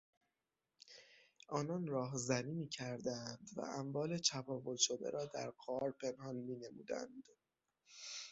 آنان راهزنی میکردند و اموال چپاول شده را در غار پنهان مینمودند.